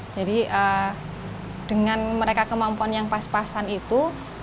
jadi dengan mereka kemampuan yang pas pasan itu